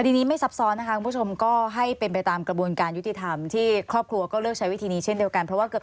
คดีนี้ไม่ซับซ้อนนะคะคุณผู้ชม